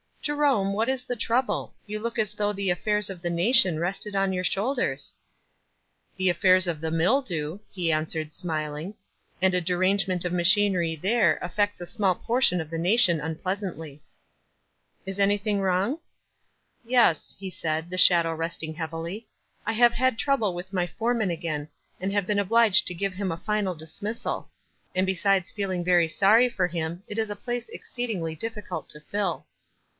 "Jerome what is the trouble? You look as though the affairs of the nation rested on your shoulders." "The affairs of the mill do," he answered, smiling. "And a derangement of machinery there affects a small portion of the nation un pleasantly." 79 WISE AND OTHERWISE. 7l "Is anything wrong?" "Yes," ho said, the shadow resting heavily; •'I have had trouble with my foreman again, and have been obliged to give him a final dismissal ; and besides feeling very sorry for him, it is a place exceedingly difficult to fill."